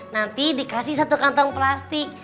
nanti dikasih satu kantong plastik